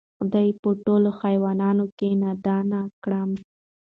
خدای په ټولوحیوانانو کی نادان کړم